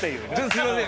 すいません。